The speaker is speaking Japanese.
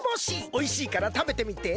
おいしいからたべてみて。